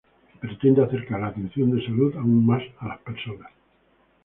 Pretende acercar la atención de salud aún más a las personas.